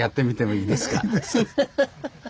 いいです。